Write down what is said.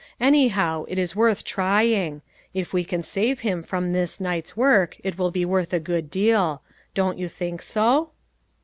Anyhow, it is worth trying ; if we can save him from this night's work it will be worth a good deal. Don't you think so